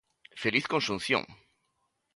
Feliz conxunción.